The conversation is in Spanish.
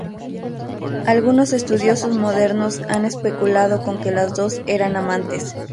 Algunos estudiosos modernos han especulado con que las dos eran amantes.